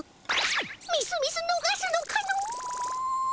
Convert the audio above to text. みすみすのがすのかの。